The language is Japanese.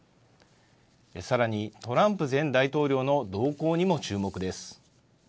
さらにトランプ前大統領の動向にも注目です。